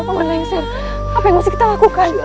apa yang harus kita lakukan